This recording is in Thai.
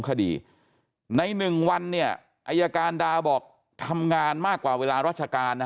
คดีใน๑วันเนี่ยอายการดาวบอกทำงานมากกว่าเวลาราชการนะ